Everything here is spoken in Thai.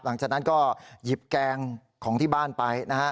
หลังจากนั้นก็หยิบแกงของที่บ้านไปนะฮะ